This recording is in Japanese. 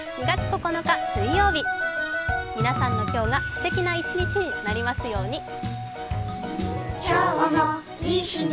２月９日水曜日、皆さんの今日がすてきな一日になりますように。